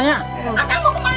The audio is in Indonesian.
akang mau kemana